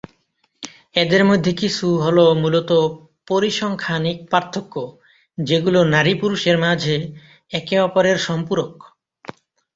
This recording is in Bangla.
এদের মধ্যে কিছু হল মূলত পরিসংখ্যানিক পার্থক্য, যেগুলো নারী পুরুষের মাঝে একে অপরের সম্পূরক।